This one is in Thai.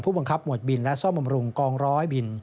บังคับหมวดบินและซ่อมบำรุงกองร้อยบิน